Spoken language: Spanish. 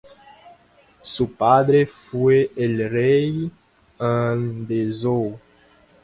Su padre fue el Rey An de Zhou.